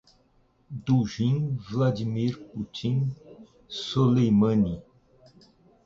Dugin, Vladimir Putin, Soleimani